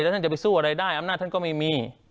แล้วท่านจะไปสู้อะไรได้อำนาจท่านก็ไม่มี